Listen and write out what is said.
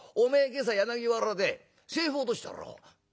今朝柳原で財布落としたろう」。